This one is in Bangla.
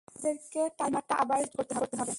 আমাদেরকে টাইমারটা আবার রিসেট করতে হবে!